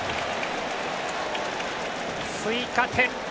追加点。